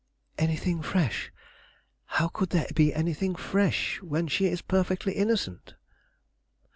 "Anything fresh? How could there be anything fresh, when she is perfectly innocent?"